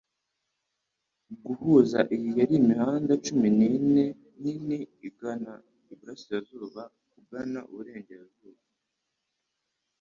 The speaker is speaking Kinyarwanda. Guhuza iyi yari imihanda cumi nine nini igana iburasirazuba ugana iburengerazuba